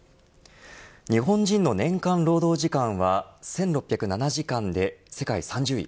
日本人の年間労働時間は１６０７時間で世界３０位。